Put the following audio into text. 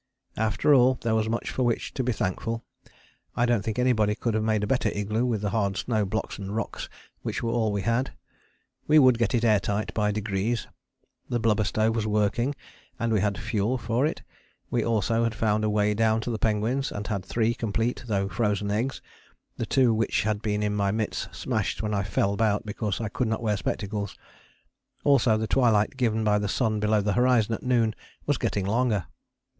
After all there was much for which to be thankful. I don't think anybody could have made a better igloo with the hard snow blocks and rocks which were all we had: we would get it air tight by degrees. The blubber stove was working, and we had fuel for it: we had also found a way down to the penguins and had three complete, though frozen eggs: the two which had been in my mitts smashed when I fell about because I could not wear spectacles. Also the twilight given by the sun below the horizon at noon was getting longer.